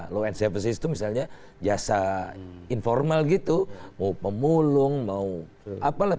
law and services itu misalnya jasa informal gitu mau pemulung mau apalah